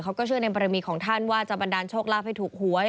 เขาก็เชื่อในบรมีของท่านว่าจะบันดาลโชคลาภให้ถูกหวย